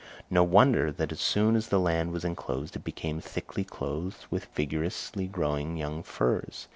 No wonder that, as soon as the land was enclosed, it became thickly clothed with vigorously growing young firs.